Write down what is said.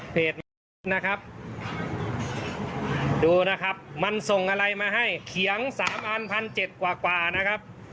ในคลิปนะครับดูนะครับมันส่งอะไรมาให้เขียงสามอันพันเจ็ดกว่านะครับ